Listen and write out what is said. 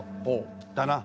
だな。